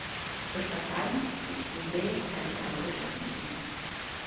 Per far fein els mises eisi aura da fugir.